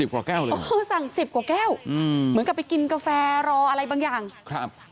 กว่าแก้วเลยเออสั่งสิบกว่าแก้วอืมเหมือนกับไปกินกาแฟรออะไรบางอย่างครับ